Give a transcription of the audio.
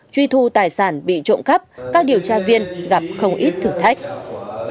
truy thu tài sản bị trộm cắp các điều tra viên gặp không ít thử thách